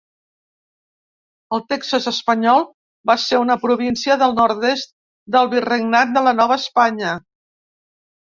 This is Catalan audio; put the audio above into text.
El Texas Espanyol va ser una província del nord-est del Virregnat de la Nova Espanya.